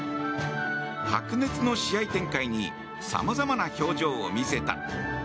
白熱の試合展開にさまざまな表情を見せた。